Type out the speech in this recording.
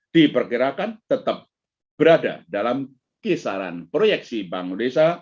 diperkirakan tetap berada dalam kisaran proyeksi bank desa